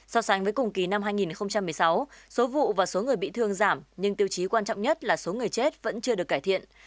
so sánh với cùng kỳ năm hai nghìn một mươi sáu số vụ và số người bị thương giảm nhưng tiêu chí quan trọng nhất là số người chết vẫn chưa được cải thiện